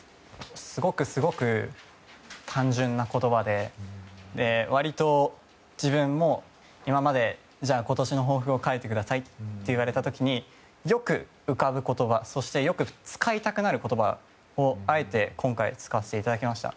すごくすごく単純な言葉で割と、自分も今までじゃあ今年の抱負を書いてくださいって言われた時によく浮かぶ言葉そしてよく使いたくなる言葉をあえて今回使わせていただきました。